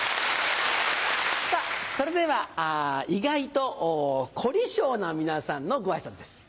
それでは意外とコリショウな皆さんのご挨拶です。